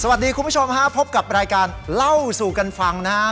สวัสดีคุณผู้ชมครับพบกับรายการเล่าสู่กันฟังนะครับ